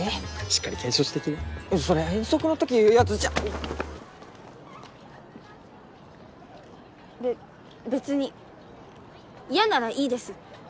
しっかり検証してきなそれ遠足のとき言うやつじゃんべ別に嫌ならいいです